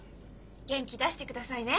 元気出してくださいね。